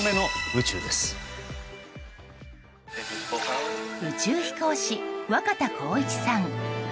宇宙飛行士、若田光一さん